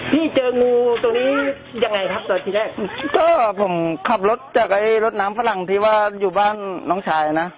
เจองูตัวนี้ยังไงครับตอนที่แรกก็ผมขับรถจากไอ้รถน้ำฝรั่งที่ว่าอยู่บ้านน้องชายนะ